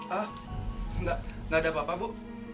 hah gak gak ada apa apa bu